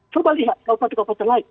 coba lihat kabupaten kabupaten lain